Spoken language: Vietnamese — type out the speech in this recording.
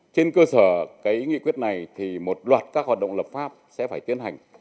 trên cơ sở nghị quyết này một loạt các hoạt động lập pháp sẽ phải tiến hành